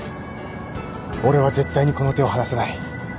俺は絶対にこの手を離さない。